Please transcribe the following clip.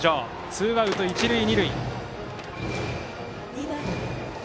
ツーアウト、一塁二塁。